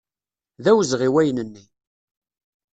D awezɣi wayen-nni.